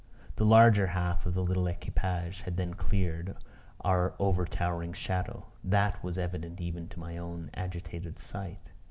The larger half of the little equipage had then cleared our over towering shadow: that was evident even to my own agitated sight.